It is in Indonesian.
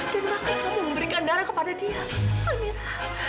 dan makanya kamu memberikan darah kepada dia amira